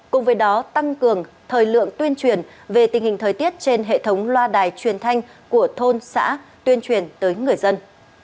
cùng với đó tăng cường thời lượng tuyên truyền về tình hình thời tiết trên hệ thống loa đài truyền thanh của thôn xã tuyên truyền tới người dân